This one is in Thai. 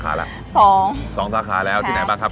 คนที่มาทานอย่างเงี้ยควรจะมาทานแบบคนเดียวนะครับ